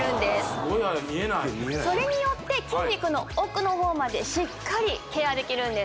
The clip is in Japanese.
すごい速い見えないそれによって筋肉の奥のほうまでしっかりケアできるんです